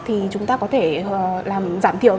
thì chúng ta có thể làm giảm thiểu